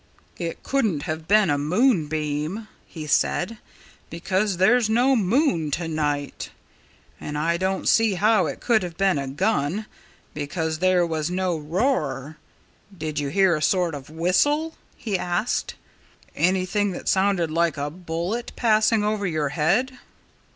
"It couldn't have been a moonbeam," he said, "because there's no moon to night. And I don't see how it could have been a gun, because there was no roar.... Did you hear a sort of whistle?" he asked. "Anything that sounded like a bullet passing over your head?"